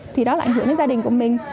thì đó là ảnh hưởng đến gia đình của mình